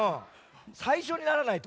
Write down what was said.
さいしょにならないと。